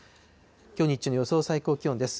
きょう日中の予想最高気温です。